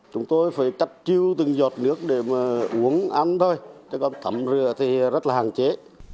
chúng tôi phải chắc chiêu từng giọt nước để mà uống ăn thôi chứ còn thẩm rửa thì rất là hạn chế